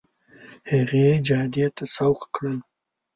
هغې جادې ته سوق کړل.